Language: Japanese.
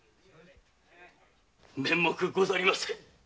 面目ございませぬ。